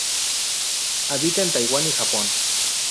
Habita en Taiwan y Japón.